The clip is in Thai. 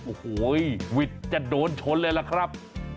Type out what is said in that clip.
โอ้โหวิทย์จะโดนชนเลยล่ะครับ